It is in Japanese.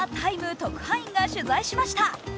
特派員が取材しました。